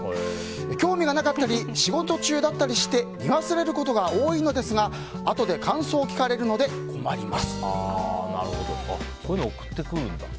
興味がなかったり仕事中だったりして見忘れることが多いのですがあとで感想を聞かれるのでこういうのを送ってくるんだ。